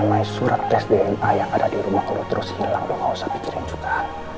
mengenai surat tes dna yang ada di rumah lo terus hilang lo gak usah pikirin juga